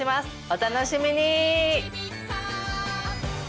お楽しみに！